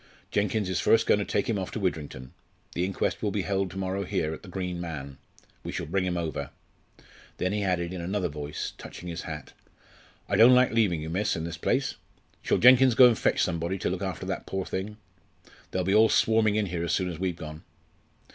Jenkins is first going to take him off to Widrington. The inquest will be held to morrow here, at 'The Green Man.' We shall bring him over." Then he added in another voice, touching his hat, "I don't like leaving you, miss, in this place. Shall Jenkins go and fetch somebody to look after that poor thing? They'll be all swarming in here as soon as we've gone."